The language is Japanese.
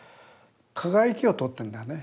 輝きを撮ってるんだよね